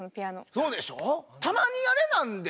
そうでしょう。